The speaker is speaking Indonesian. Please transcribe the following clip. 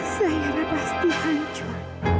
zaira pasti hancur